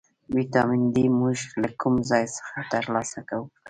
ویټامین ډي موږ له کوم ځای څخه ترلاسه کولی شو